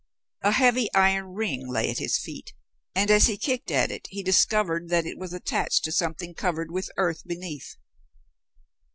A heavy iron ring lay at his feet, and as he kicked at it he discovered that it was attached to something covered with earth beneath.